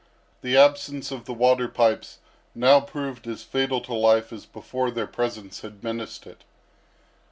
The absence of the water pipes now proved as fatal to life as before their presence had menaced it.